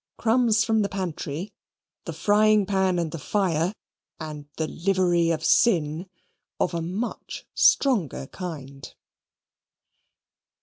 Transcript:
"Crumbs from the Pantry," "The Frying Pan and the Fire," and "The Livery of Sin," of a much stronger kind.